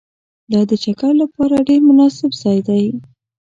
دا د چکر لپاره ډېر مناسب ځای دی